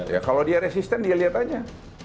ya kalau dia resisten dia lihat aja